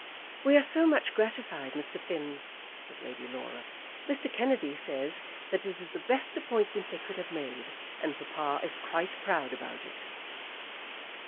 "We are so much gratified, Mr. Finn," said Lady Laura. "Mr. Kennedy says that it is the best appointment they could have made, and papa is quite proud about it."